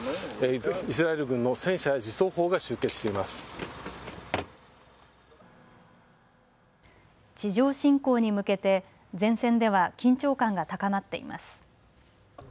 イスラエル軍の戦車や自走砲が地上侵攻に向けて前線では緊張感が高まっています。